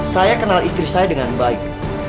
saya kenal istri saya dengan baik